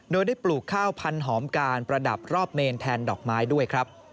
โดยได้ปลูกข้าวพันหอมการประดับรอบเมนแทนดอกไม้ด้วยครับ